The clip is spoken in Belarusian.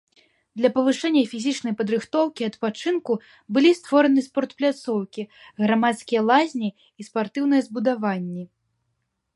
Для павышэння фізічнай падрыхтоўкі і адпачынку былі створаны спортпляцоўкі, грамадскія лазні і спартыўныя збудаванні.